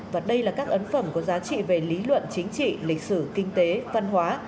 và đây là các ấn phẩm có giá trị về lý luận chính trị lịch sử kinh tế văn hóa